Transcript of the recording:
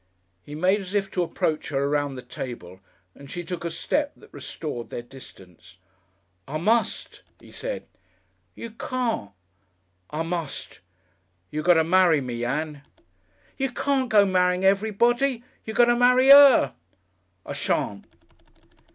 He made as if to approach her around the table, and she took a step that restored their distance. "I must," he said. "You can't." "I must. You got to marry me, Ann." "You can't go marrying everybody. You got to marry 'er." "I shan't."